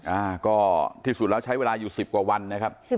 อ่าก็ที่สุดแล้วใช้เวลาอยู่สิบกว่าวันนะครับ